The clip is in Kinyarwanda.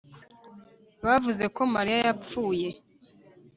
Bavuze ko Mariya yapfuye